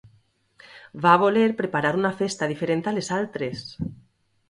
Va voler preparar una festa diferent a les altres.